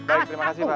baik terima kasih pak